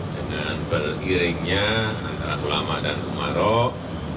dengan bergiringnya antara ulama dan umarok